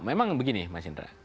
memang begini mas indra